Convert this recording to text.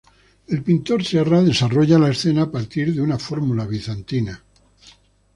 El pintor Serra desarrolla la escena a partir de una fórmula bizantina.